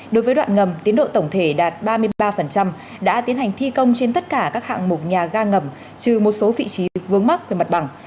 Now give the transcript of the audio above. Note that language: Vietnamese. đối với đoạn ngầm tiến độ tổng thể đạt ba mươi ba đã tiến hành thi công trên tất cả các hạng mục nhà ga ngầm trừ một số vị trí vướng mắc về mặt bằng